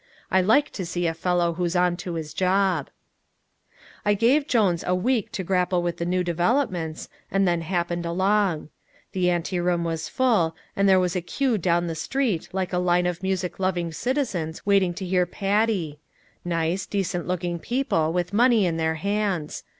I like to see a fellow who's on to his job. I gave Jones a week to grapple with the new developments, and then happened along. The anteroom was full, and there was a queue down the street like a line of music loving citizens waiting to hear Patti. Nice, decent looking people, with money in their hands.